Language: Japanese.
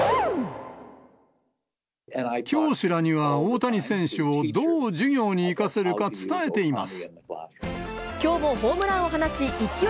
教師らには、大谷選手をどう授業に生かせるか伝えています。